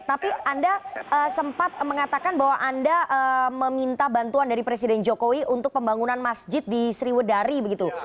tapi anda sempat mengatakan bahwa anda meminta bantuan dari presiden jokowi untuk pembangunan masjid di sriwedari begitu